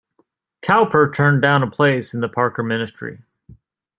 Cowper turned down a place in the Parker ministry.